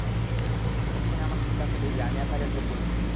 এক্ষণে আমার সিদ্ধান্ত এই যে, আমি আর কাজের যোগ্য নই।